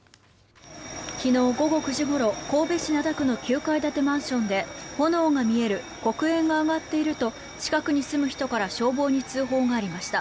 昨日午後９時ごろ神戸市灘区の９階建てマンションで炎が見える黒煙が上がっていると近くに住む人から消防に通報がありました。